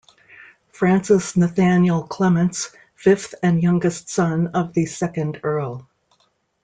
Francis Nathanial Clements, fifth and youngest son of the second Earl.